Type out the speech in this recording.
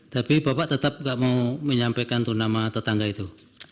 tapi bapak tetap gak mau menyampaikan itu nama tetangga itu